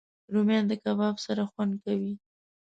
رومیان د کباب سره خوند کوي